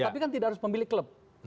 tapi kan tidak harus pemilik klub